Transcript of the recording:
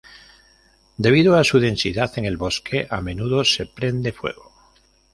Debido a su densidad, en el bosque a menudo se prende fuego.